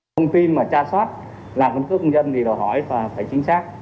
thông tin mà tra sót làm căn cứ công dân thì đòi hỏi phải chính xác